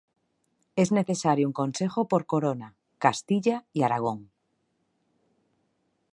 Es necesario un Consejo por Corona: Castilla y Aragón.